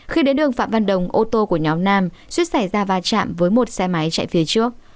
khi đến đường phạm văn đồng ô tô của nhóm nam suýt xảy ra va chạm với một xe máy chạy phía trước